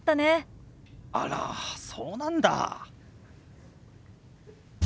あらそうなんだ。